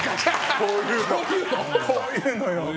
こういうのよ。